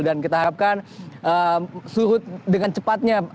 dan kita harapkan surut dengan cepatnya